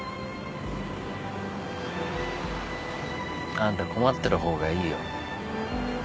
あんた困ってる方がいいよ。